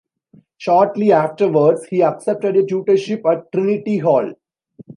Shortly afterwards, he accepted a tutorship at Trinity Hall.